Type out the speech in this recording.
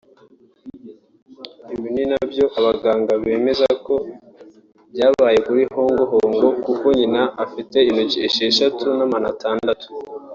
Ibi ni nabyo abaganga bemeza ko byabaye kuri Hong Hong kuko nyina afite intoki esheshatu n’amano atandatu